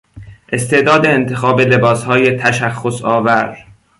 استعداد انتخاب لباسهای تشخصآور